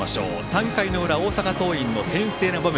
３回裏、大阪桐蔭の先制の場面。